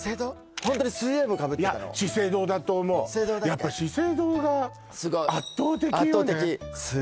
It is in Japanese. ホントに水泳帽かぶってたの資生堂だと思うやっぱ資生堂がすごい圧倒的圧倒的よね